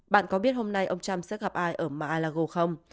bạn có biết hôm nay ông trump sẽ gặp ai ở mar a lago không